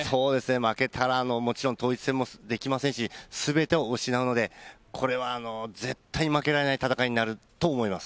負けたらもちろん統一戦もできませんし、全てを失うので、これは絶対に負けられない戦いになると思います。